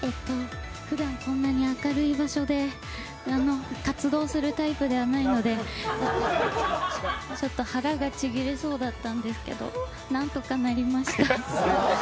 ふだん、こんなに明るい場所で活動するタイプではないのでちょっと腹がちぎれそうだったんですけど、何とかなりました。